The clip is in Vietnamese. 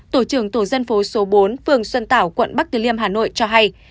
tổ trưởng tổ dân phố số bốn phường xuân tảo quận bắc từ liêm hà nội cho hay